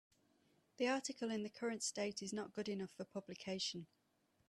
The article in the current state is not good enough for publication.